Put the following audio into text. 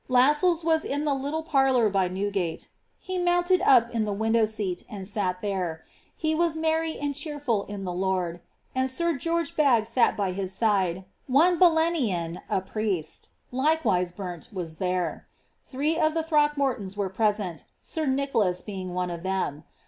Lascells was in the little parlour by Newgate ;^ he mounted up in the window seat, and there sat ; he was merry and cheerful in the Lord, and sir George Blagge sat by his side : one Belenian, a priest, likewise burnt, was there. Three of the Throck moitons were present, sir Nicholas being one of them.